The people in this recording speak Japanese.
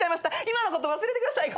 今のこと忘れてください。